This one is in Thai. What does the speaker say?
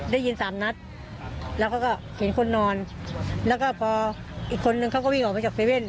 ได้ยินสามนัดแล้วเขาก็เห็นคนนอนแล้วก็พออีกคนนึงเขาก็วิ่งออกไปจากเว่น